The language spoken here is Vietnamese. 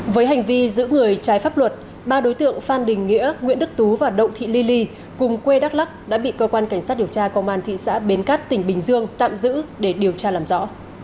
với hành vi giữ người trái pháp luật ba đối tượng phan đình nghĩa nguyễn đức tú và đậu thị ly ly ly ly cùng quê đắk lắc đã bị cơ quan cảnh sát điều tra công an thị xã bến cát tỉnh bình dương tạm giữ để điều tra làm rõ